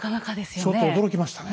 ちょっと驚きましたね。